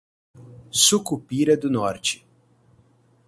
Sucupira do Norte